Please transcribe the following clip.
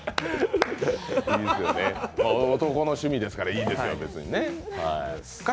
男の趣味ですから、いいんですよ別に。